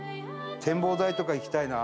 展望台とか行きたいな。